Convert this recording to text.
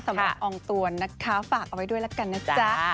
สำหรับองค์ตัวนะคะฝากเอาไว้ด้วยแล้วกันนะจ๊ะ